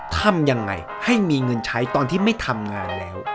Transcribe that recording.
ทำยังไงให้มีเงินใช้ตอนที่ไม่ทำงานแล้ว